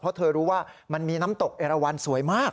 เพราะเธอรู้ว่ามันมีน้ำตกเอราวันสวยมาก